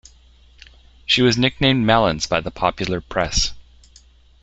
She was nicknamed "Melons" by the popular press.